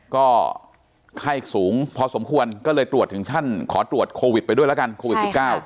ก็ไข้สูงพอสมควรก็เลยตรวจถึงขั้นขอตรวจโควิดไปด้วยแล้วกันโควิด๑๙